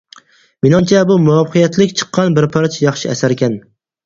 مېنىڭچە بۇ مۇۋەپپەقىيەتلىك چىققان بىر پارچە ياخشى ئەسەركەن.